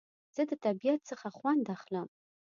زه د طبیعت څخه خوند اخلم